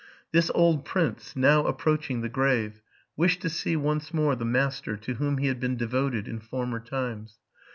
This old prince, now approaching the grave, wished to see once more the master to whom he had been devoted in former times.